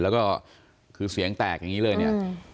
แล้วก็คือเสียงแตกอย่างนี้เลยเนี่ย